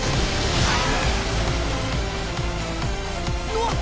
うわっ！